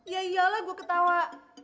ya iyalah gue ketawa